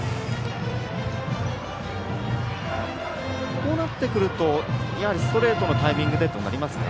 こうなってくるとやはりストレートのタイミングでとなりますか。